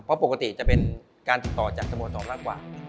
เพราะปกติจะเป็นการติดต่อจากสโมสรมากกว่า